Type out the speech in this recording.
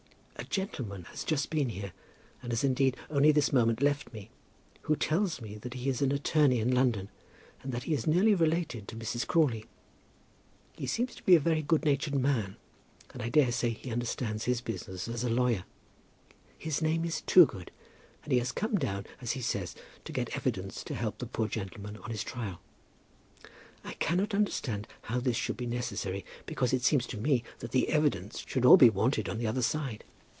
A gentleman has just been here, and has indeed only this moment left me, who tells me that he is an attorney in London, and that he is nearly related to Mrs. Crawley. He seems to be a very good natured man, and I daresay he understands his business as a lawyer. His name is Toogood, and he has come down as he says to get evidence to help the poor gentleman on his trial. I cannot understand how this should be necessary, because it seems to me that the evidence should all be wanted on the other side.